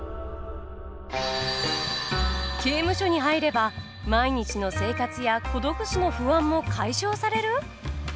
刑務所に入れば毎日の生活や孤独死の不安も解消される！？